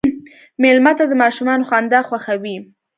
مېلمه ته د ماشومانو خندا خوښوي.